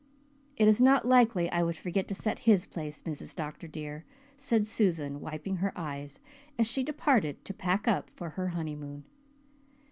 "It is not likely I would forget to set his place, Mrs. Dr. dear," said Susan, wiping her eyes as she departed to pack up for her "honeymoon."